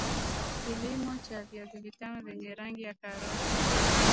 kilimo cha viazi vitamu vyenye rangi ya karoti